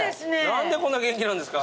何でこんな元気なんですか？